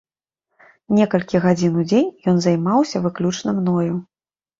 Некалькі гадзін у дзень ён займаўся выключна мною.